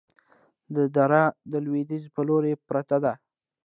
دا دره د لویدیځ په لوري پرته ده،